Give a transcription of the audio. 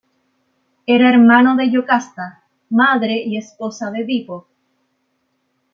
Era hermano de Yocasta, madre y esposa de Edipo.